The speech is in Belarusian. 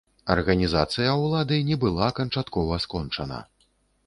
Арганізацыя ўлады не была канчаткова скончана.